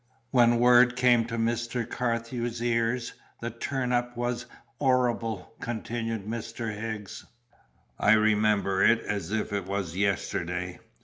"When word came to Mr. Carthew's ears, the turn up was 'orrible," continued Mr. Higgs. "I remember it as if it was yesterday.